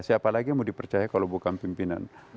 siapa lagi yang mau dipercaya kalau bukan pimpinan